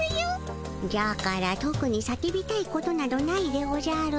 じゃからとくに叫びたいことなどないでおじゃる。